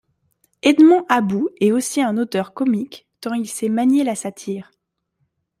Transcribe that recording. Edmond About est aussi un auteur comique tant il sait manier la satire.